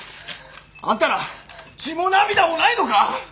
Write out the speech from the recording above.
あんたら血も涙もないのか！